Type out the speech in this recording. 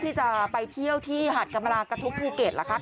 ที่จะไปเที่ยวที่หาดกรรมลากระทุบภูเก็ตเหรอคะ